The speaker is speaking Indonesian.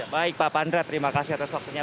baik pak pandra terima kasih atas waktunya